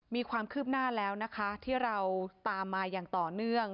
มีความคืบหน้าแล้วนะคะที่เราตามมาอย่างต่อเนื่อง